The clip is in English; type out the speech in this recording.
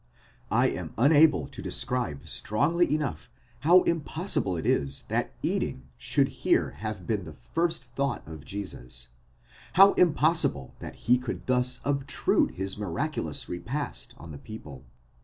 I am unable to describe strongly enough how impossible it is that eating should here have been the first thought of Jesus, how impossible that he could thus obtrude his miraculous repast on the people.